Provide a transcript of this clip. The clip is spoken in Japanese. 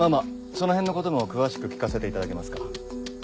そのへんのことも詳しく聞かせていただけますか。